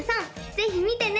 ぜひ見てね！